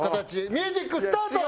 ミュージックスタート！